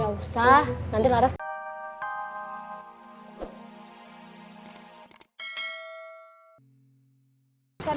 gak usah nanti naras